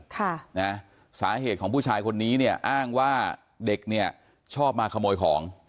ค่ะนะสาเหตุของผู้ชายคนนี้เนี่ยอ้างว่าเด็กเนี่ยชอบมาขโมยของ